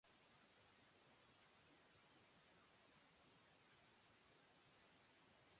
তিনি তার "সেকিওয়েক" অভিষেকে একটি বিজয়ী রেকর্ড অর্জন করেন।